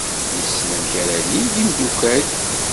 Yessen amek ara d-yeg imeddukal.